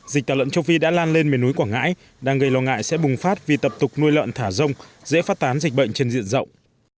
dịch tả lợn châu phi đã lan lên miền núi quảng ngãi đang gây lo ngại sẽ bùng phát vì tập tục nuôi lợn thả rông dễ phát tán dịch bệnh trên diện rộng